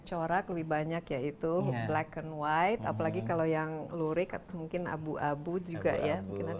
lebih banyak corak lebih banyak ya itu black and white apalagi kalau yang lurik mungkin abu abu juga ya